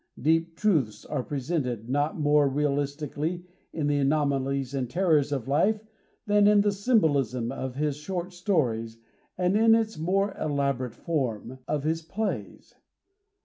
Deep truths are presented not more realistically in the anomalies and terrors of life than in the symbolism of his short stories and, in its more elaborate form, of his plays.